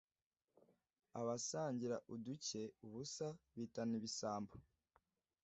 abasangira uduke (ubusa) bitana ibisambo